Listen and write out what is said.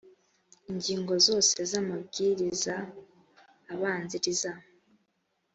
ingingo zose z amabwiriza abanziriza